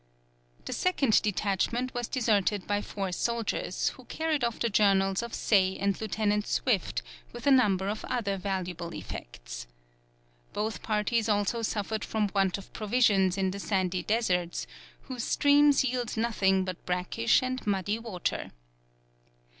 The second detachment was deserted by four soldiers, who carried off the journals of Say and Lieutenant Swift with a number of other valuable effects. Both parties also suffered from want of provisions in the sandy deserts, whose streams yield nothing but brackish and muddy water.